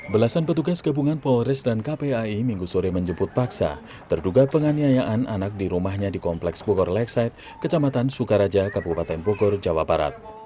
belasan petugas gabungan polres dan kpai minggu sore menjemput paksa terduga penganiayaan anak di rumahnya di kompleks bogor leksaite kecamatan sukaraja kabupaten bogor jawa barat